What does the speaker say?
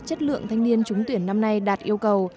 chất lượng thanh niên trúng tuyển năm nay đạt yêu cầu